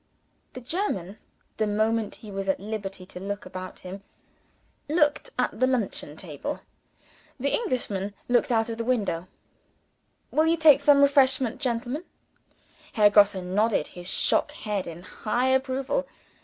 The German, the moment he was at liberty to look about him, looked at the luncheon table. The Englishman looked out of window. "Will you take some refreshment, gentlemen?" Herr Grosse nodded his shock head in high approval.